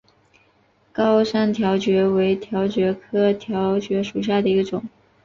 高山条蕨为条蕨科条蕨属下的一个种。